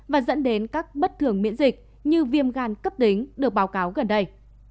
và dẫn đến các bất thường miễn dịch như viêm gan cấp tính được báo cáo gần đây